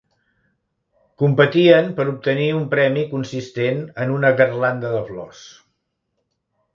Competien per obtenir un premi consistent en una garlanda de flors.